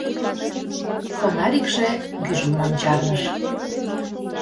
Фонарикше гӱжлымым чарныш.